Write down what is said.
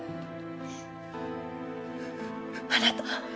あなた。